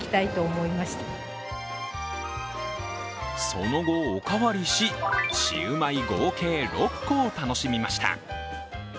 その後、おかわりしシウマイ合計６個を楽しみました。